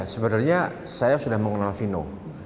sebenarnya saya sudah mengenal vino